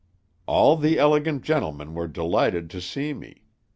"All the elegant gentlemen were delighted to see me.